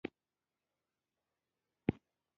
درې متره پلنوالی او يو متر لوړوالی لري،